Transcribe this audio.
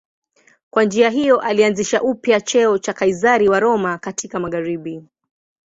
Kwa njia hiyo alianzisha upya cheo cha Kaizari wa Roma katika magharibi.